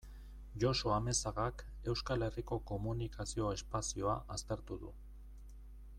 Josu Amezagak Euskal Herriko komunikazio espazioa aztertu du.